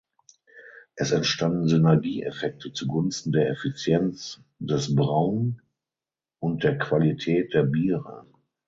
Es entstanden Synergieeffekte zugunsten der Effizienz des Brauen und der Qualität der Biere.